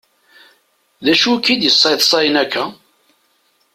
D acu i k-yesseḍsayen akka?